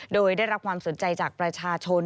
โดยได้รับความสนใจจากประชาชน